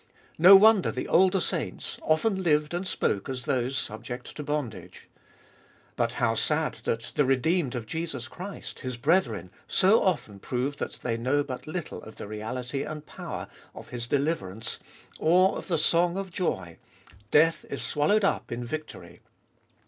No wonder the older saints often lived and spoke as those subject to bondage. But how sad that the redeemed of Jesus Christ, His brethren, so often prove that they know but little of the reality and power of His deliver ance, or of the song of joy :" Death is swallowed up in victory.